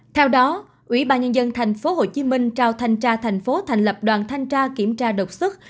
theo đó ủy ban nhân dân tp hcm trao thanh tra thành phố thành lập đoàn thanh tra kiểm tra đột xuất